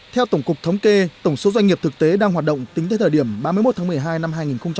theo tổng cục thống kê tổng số doanh nghiệp thực tế đang hoạt động tính tới thời điểm ba mươi một tháng một mươi hai năm hai nghìn một mươi chín